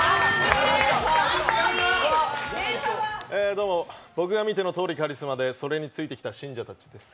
どうも、僕が見てのとおりカリスマでそれについてきた信者たちです。